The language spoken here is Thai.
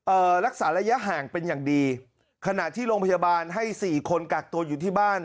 รักษาระยะห่างเป็นอย่างดีขณะที่โรงพยาบาลให้สี่คนกักตัวอยู่ที่บ้าน